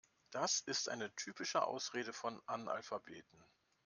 Das ist eine typische Ausrede von Analphabeten.